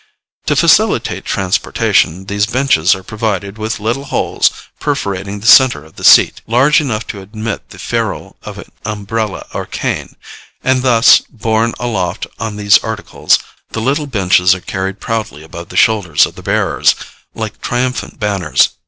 To facilitate transportation, these benches are provided with little holes perforating the centre of the seat, large enough to admit the ferule of an umbrella or cane; and thus, borne aloft on these articles, the little benches are carried proudly above the shoulders of the bearers, like triumphant banners.